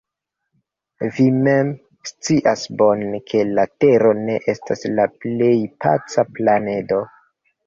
Vi mem scias bone, ke la tero ne estas la plej paca planedo.